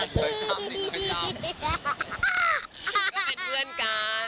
ก็เป็นเพื่อนกัน